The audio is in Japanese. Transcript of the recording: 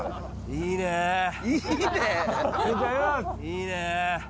「いいね」？